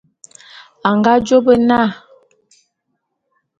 A nga jô bé na.